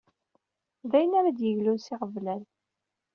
D ayen ara d-yeglun s iɣeblan.